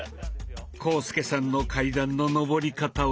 浩介さんの階段の上り方は。